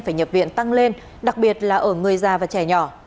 phải nhập viện tăng lên đặc biệt là ở người già và trẻ nhỏ